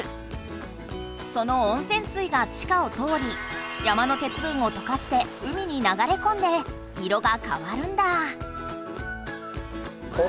その温泉水が地下を通り山の鉄分をとかして海に流れこんで色がかわるんだ。